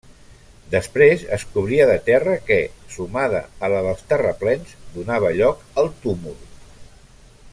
Després es cobria de terra que, sumada a la dels terraplens, donava lloc al túmul.